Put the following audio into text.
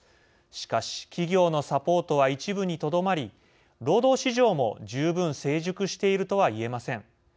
しかし、企業のサポートは一部にとどまり、労働市場も十分成熟しているとはいえません。